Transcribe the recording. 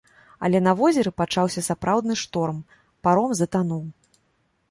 Але на возеры пачаўся сапраўдны шторм, паром затануў.